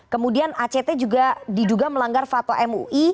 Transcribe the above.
kemudian act juga diduga melanggar fato mu